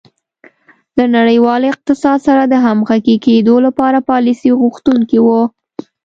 له نړیوال اقتصاد سره د همغږي کېدو لپاره پالیسیو غوښتونکې وه.